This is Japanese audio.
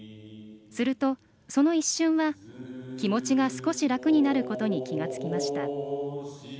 すると、その一瞬は気持ちが少し楽になることに気が付きました。